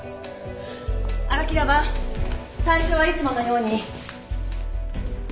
荒木田は最初はいつものように。